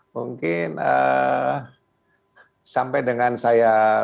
mungkin sampai dengan saya